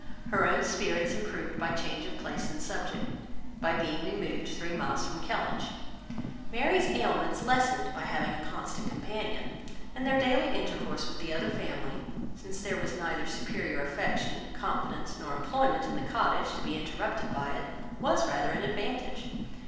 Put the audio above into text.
Her own spirits improved by change of place and subject, by being removed three miles from Kellynch; Mary's ailments lessened by having a constant companion, and their daily intercourse with the other family, since there was neither superior affection, confidence, nor employment in the cottage, to be interrupted by it, was rather an advantage.